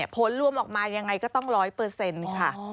พ้นรวมออกมายังไงก็ต้องร้อยเปอร์เซ็นต์ค่ะ